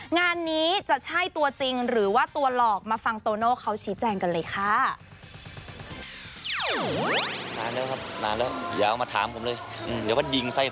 งานนี้จะใช่ตัวจริงหรือว่าตัวหลอกมาฟังโตโน่เขาชี้แจงกันเลยค่ะ